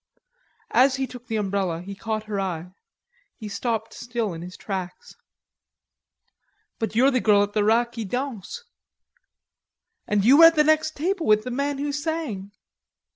As he took the umbrella he caught her eye. He stopped still in his tracks. "But you're the girl at the Rat qui Danse." "And you were at the next table with the man who sang?"